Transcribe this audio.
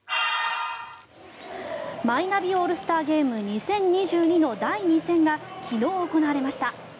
マイナビオールスターゲーム２０２２の第２戦が昨日行われました。